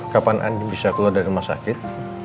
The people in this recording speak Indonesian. kapan andi bisa keluar dari rumah sakit